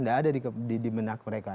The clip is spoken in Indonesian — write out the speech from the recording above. tidak ada di menak mereka